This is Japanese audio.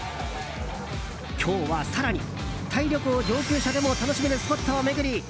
今日は更に、タイ旅行上級者でも楽しめるスポットを巡り